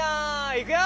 いくよ！